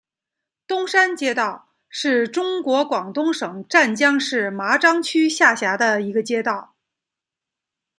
东山街道是中国广东省湛江市麻章区下辖的一个街道。